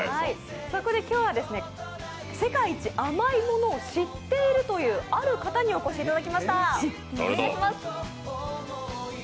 今日は世界一甘いものを知っているというある方にお越しいただきました。